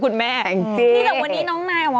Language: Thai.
คุณแม่ก็จบชื่อคุณแม่